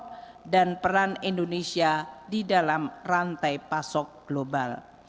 keseluruh dan peran indonesia di dalam rantai pasok global